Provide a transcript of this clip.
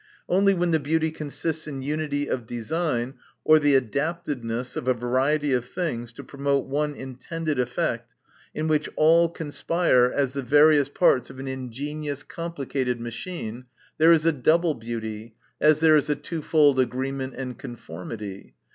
Only when the beauty consists in unity of design, or the adaptedness of a variety of things to promote one intended effect, in which all conspire, as the various parts of au ingenious complicated machine, there is a double beauty, as there is a twofold agreement and conformity.